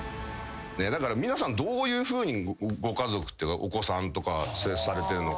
だから皆さんどういうふうにご家族っていうかお子さんとか接されてるのかなと。